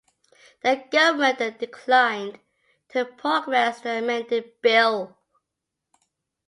The government then declined to progress the amended bill.